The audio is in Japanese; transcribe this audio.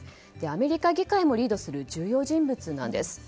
アメリカ議会もリードする重要人物なんです。